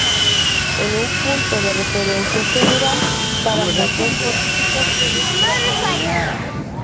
Es un punto de referencia general para muchas fortificaciones granadinas.